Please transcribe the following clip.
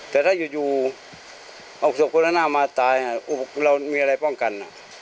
แต่ถ้าอยู่ออกศพโคลนามาตายอุปกรณ์เรามีอะไรป้องกัน